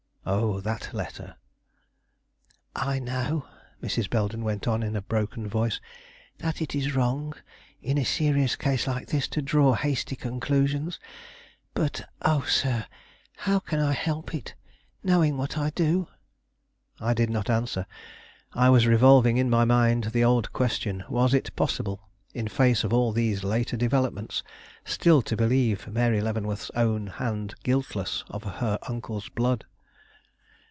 Oh, that letter! "I know," Mrs. Belden went on in a broken voice, "that it is wrong, in a serious case like this, to draw hasty conclusions; but, oh, sir, how can I help it, knowing what I do?" I did not answer; I was revolving in my mind the old question: was it possible, in face of all these later developments, still to believe Mary Leavenworth's own hand guiltless of her uncle's blood?